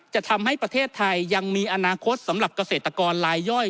จะทำให้ประเทศไทยยังมีอนาคตสำหรับเกษตรกรลายย่อย